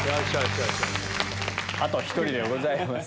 あと１人でございます。